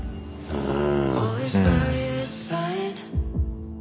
うん。